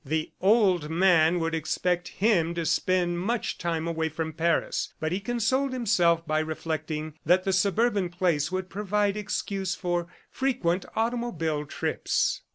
The "old man" would expect him to spend much time away from Paris, but he consoled himself by reflecting that the suburban place would provide excuse for frequent automobile trips.